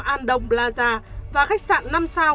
andong plaza và khách sạn năm sao